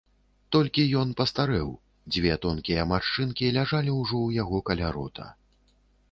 Толькі ён пастарэў, дзве тонкія маршчынкі ляжалі ўжо ў яго каля рота.